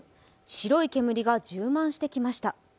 白い煙が充満してきました。